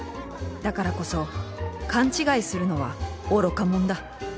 だからこそ勘違いするのは愚かもんだ。